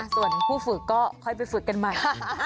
ส่วนผู้ฝึกก็ค่อยไปฝึกกันใหม่